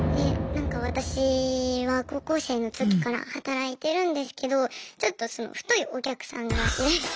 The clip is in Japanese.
私は高校生の時から働いてるんですけどちょっと太いお客さんがいらっしゃって。